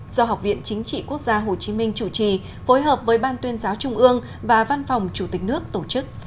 do học viện chính trị quốc gia hồ chí minh chủ trì phối hợp với ban tuyên giáo trung ương và văn phòng chủ tịch nước tổ chức